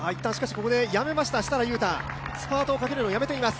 ここで設楽悠太、スパートをかけるのをやめています。